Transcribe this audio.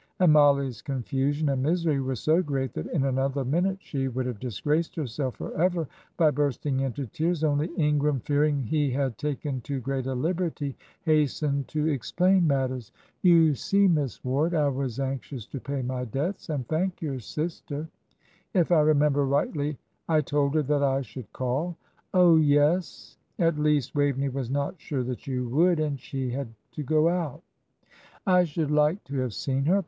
And Mollie's confusion and misery were so great that in another minute she would have disgraced herself for ever by bursting into tears; only Ingram, fearing he had taken too great a liberty, hastened to explain matters. "You see, Miss Ward, I was anxious to pay my debts, and thank your sister. If I remember rightly, I told her that I should call." "Oh, yes; at least, Waveney was not sure that you would, and she had to go out." "I should like to have seen her.